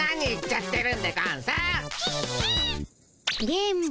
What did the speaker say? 電ボ